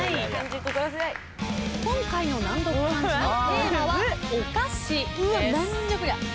今回の難読漢字のテーマは「お菓子」です。